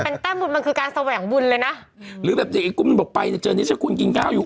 เป็นแต้มบุญมันคือการแสวงบุญเลยนะหรือแบบเด็กไอ้กุ้งมันบอกไปเนี่ยเจอนิชคุณกินข้าวอยู่